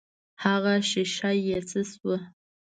هغه ښيښه يې څه سوه.